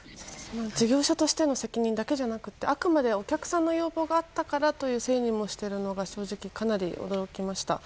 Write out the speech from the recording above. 事業者としての責任だけではなくてあくまでお客さんの要望があったからというせいにしているのに正直かなり驚きました。